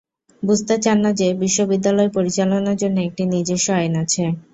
বুঝতে চান না যে বিশ্ববিদ্যালয় পরিচালনার জন্য একটি নিজস্ব আইন আছে।